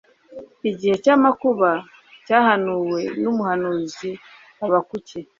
Icyo gihe cy'amakuba cyahanuwe n'umuhanuzi Habakuki